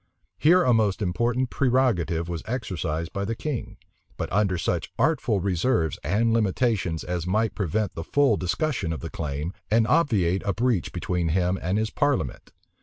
[*] Here a most important prerogative was exercised by the king; but under such artful reserves and limitations as might prevent the full discussion of the claim, and obviate a breach between him and his parliament.